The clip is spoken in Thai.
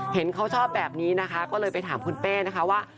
เห็นเขาชอบแบบนี้นะคะก็เลยไปถามคุณเป้นะคะว่า